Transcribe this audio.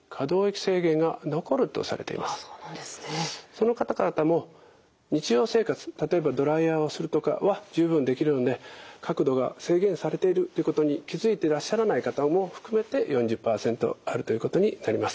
その方々も日常生活例えばドライヤーをするとかは十分できるので角度が制限されているということに気付いていらっしゃらない方も含めて４０％あるということになります。